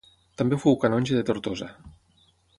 També fou canonge de Tortosa.